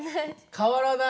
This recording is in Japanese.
変わらない。